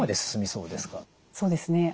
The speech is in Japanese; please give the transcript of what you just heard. そうですね